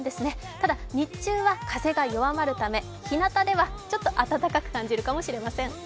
ただ、日中は風が弱まるためひなたではちょっと暖かく感じるかもしれません。